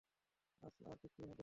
আর পিচ্চি ভালুক।